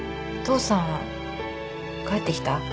父さん帰ってきた？